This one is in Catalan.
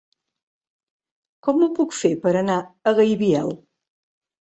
Com ho puc fer per anar a Gaibiel?